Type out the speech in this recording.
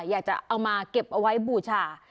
อยากจะเอามาเก็บเอาไว้บูชา